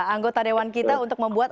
anggota dewan kita untuk membuat